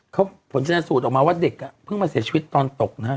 เขาผลชนะสูตรออกมาว่าเด็กเพิ่งมาเสียชีวิตตอนตกนะฮะ